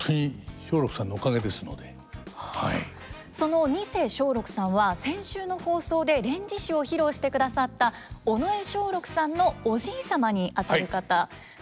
その二世松緑さんは先週の放送で「連獅子」を披露してくださった尾上松緑さんのおじい様にあたる方なんですよね。